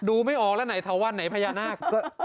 ไม่ออกแล้วไหนเถาวันไหนพญานาค